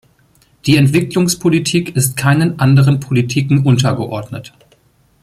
Die Entwicklungspolitik ist keinen anderen Politiken untergeordnet.